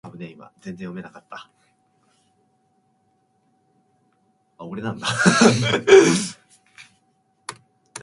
Fernandez was eventually permitted, though on house arrest, to attend monthly universal meetings.